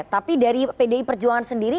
tapi dari pdi perjuangan sendiri